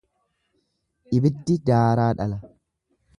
Ibiddi daaraa dhala.